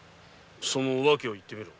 その訳を言ってみろ。